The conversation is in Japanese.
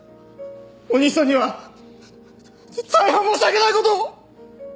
お兄さんには大変申し訳ない事を！